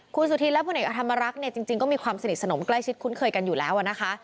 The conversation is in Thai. คุณสุธินและพลเอกอธรรมรักษ์เนี่ยจริงก็มีความสนิทสนมใกล้ชิดคุ้นเคยกันอยู่แล้วนะคะ